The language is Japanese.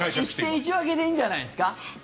１戦１分けでいいんじゃないですか？